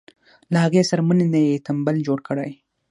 له هغې څرمنې نه یې تمبل جوړ کړی.